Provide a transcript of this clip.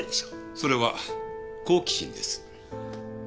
それは好奇心です。